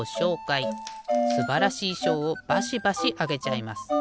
すばらしいしょうをバシバシあげちゃいます。